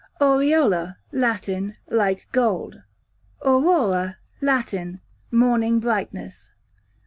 Aureola, Latin, like gold. Aurora, Latin, morning brightness.